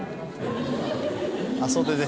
「あっ袖で」